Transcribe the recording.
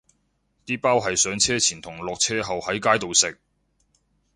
啲包係上車前同落車後喺街度食